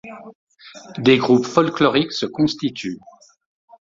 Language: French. Des groupes folkloriques se constituent.